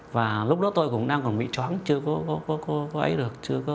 và lúc đó tôi cũng đang còn bị chóng chưa có ấy được